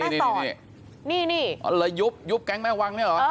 นี่นี่นี่นี่อ๋อหลักฐานยุบยุบแก๊งแม่วังนี่เหรอ